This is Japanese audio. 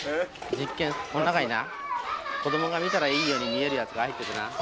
この中にな子供が見たらいいように見えるやつが入っててな。